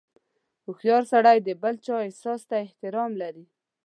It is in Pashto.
• هوښیار سړی د بل چا احساس ته احترام لري.